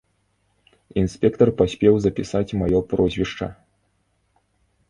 Інспектар паспеў запісаць маё прозвішча.